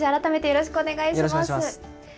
よろしくお願いします。